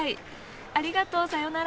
ありがとう！さようなら。